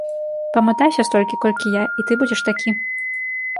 Паматайся столькі, колькі я, і ты будзеш такі.